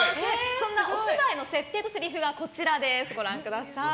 そんなお芝居の設定とせりふがこちらです。